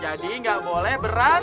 jadi tidak boleh berang